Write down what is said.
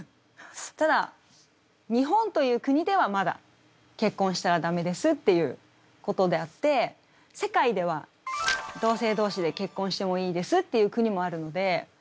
ただ日本という国ではまだ結婚したら駄目ですっていうことであって世界では同性同士で結婚してもいいですっていう国もあるので。